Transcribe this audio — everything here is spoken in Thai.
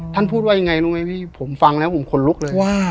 ท่านพูดว่าไงรู้มั้ยพี่ผมฟังแล้วผมขนลุกเลย